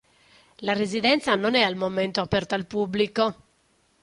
La residenza non è al momento aperta al pubblico.